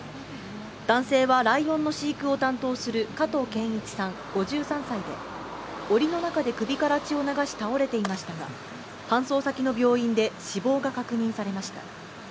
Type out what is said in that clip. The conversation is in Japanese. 男性は、ライオンの飼育を担当する加藤健一さん、５３歳でおりの中で首から血を流し倒れていましたが搬送先の病院で死亡が確認されました。